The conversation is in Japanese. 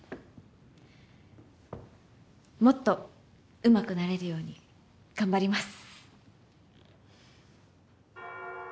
もっとうまくなれるように頑張ります。